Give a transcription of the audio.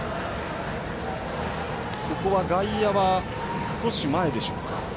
ここは外野は少し前でしょうか。